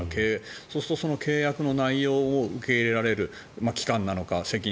そうすると契約の内容を受け入れられる期間なのか責任